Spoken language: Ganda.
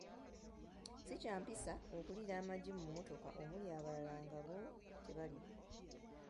Ssi kya mpisa okuliira amagi mu mmotoka omuli abalala nga bo tebalya.